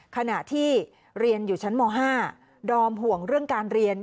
ขณะที่เรียนอยู่ชั้นม๕ดอมห่วงเรื่องการเรียน